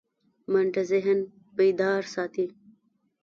منډه ذهن بیدار ساتي